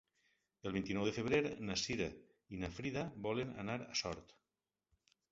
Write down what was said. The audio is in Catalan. El vint-i-nou de febrer na Cira i na Frida volen anar a Sort.